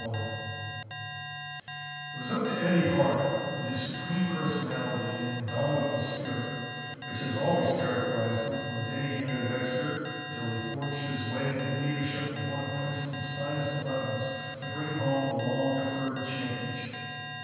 [Illustration: SAM WHITE'S RUN] It was up to Eddie Hart with his supreme personality and indomitable spirit, which has always characterized him from the day he entered Exeter until he forged his way to the leadership of one of Princeton's finest elevens to bring home the long deferred championship.